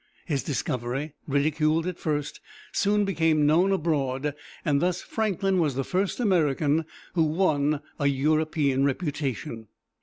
His discovery, ridiculed at first, soon became known abroad, and thus Franklin was the first American who won a European reputation.